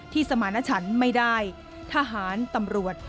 สมาณฉันไม่ได้ทหารตำรวจ